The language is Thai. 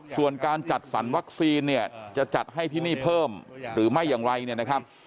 ส่วนการจัดสรรวัคซีนเนี่ยจะจัดให้ที่นี่เพิ่มหรือไม่อย่างไรเนี่ยนะครับ